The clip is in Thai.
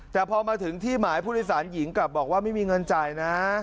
แต่พอมาถึงที่หมายผู้โดยสารหญิงกลับบอกว่าไม่มีเงินจ่ายนะ